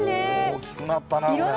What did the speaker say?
大きくなったなこれ。